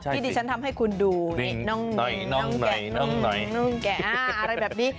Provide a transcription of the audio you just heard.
ที่ดิฉันทำให้คุณดูนี่น้องแกะน้องแกะอะไรแบบนี้